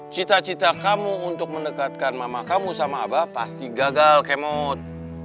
cita cita kamu untuk mendekatkan mama kamu sama abah pasti gagal kemot